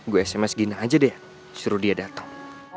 gue sms gina aja deh suruh dia datang